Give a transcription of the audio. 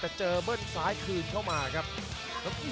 โอ้โหดูกัน